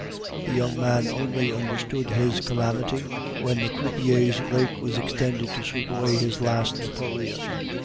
The young man only understood his calamity when the croupiers's rake was extended to sweep away his last napoleon.